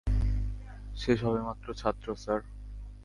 সে সবেমাত্র ছাত্র, স্যার।